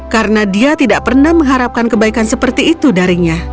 karena dia tidak pernah mengharapkan kebaikan seperti itu darinya